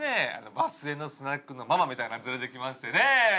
場末のスナックのママみたいなの連れて来ましてね。